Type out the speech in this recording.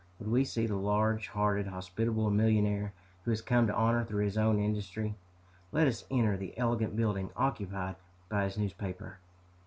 Would we see the large hearted, hospitable millionaire, who has come to honor through his own industry, let us enter the elegant building occupied by his newspaper.